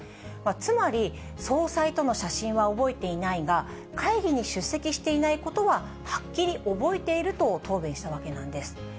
つまり、総裁との写真は覚えていないが、会議に出席していないことははっきり覚えていると答弁したわけなんです。